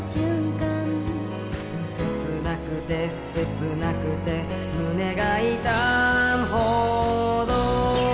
「せつなくてせつなくて胸が痛むほど」